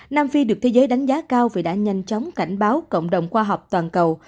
nam phi được thế giới đánh giá cao vì đã nhanh chóng cảnh báo cộng đồng khoa học toàn cầu